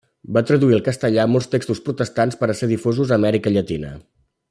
Va traduir al castellà molts textos protestants per a ser difosos a Amèrica Llatina.